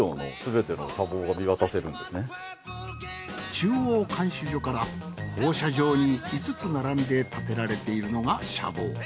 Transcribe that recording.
中央看守所から放射状に５つ並んで建てられているのが舎房。